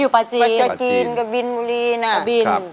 ประจีนกับบิลบุรีน